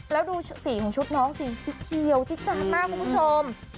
แล้วดูสีของชุดน้องสีสีเขียวจิ๊ดจานมากคุณผู้ชม